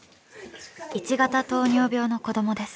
１型糖尿病の子どもです。